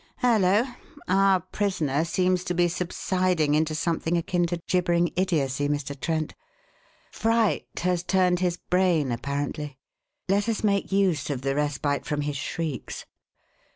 Hullo! our prisoner seems to be subsiding into something akin to gibbering idiocy, Mr. Trent. Fright has turned his brain, apparently. Let us make use of the respite from his shrieks.